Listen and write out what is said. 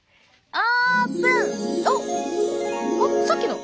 あっさっきの！